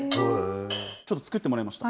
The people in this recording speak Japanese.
ちょっと作ってもらいました。